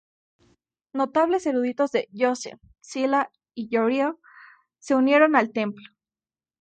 Notables eruditos de Joseon, Silla y Goryeo se unieron al templo.